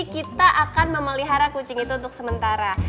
kita akan memelihara kucing itu untuk sementara